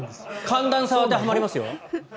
寒暖差は当てはまりますよ。